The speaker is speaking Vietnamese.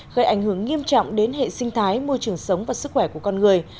gây ảnh hưởng nghiêm trọng đến hệ sinh thái môi trường sống và sức khỏe của con người